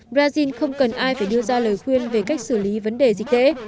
brazil không cần ai phải đưa ra lời khuyên về cách xử lý vấn đề dịch tễ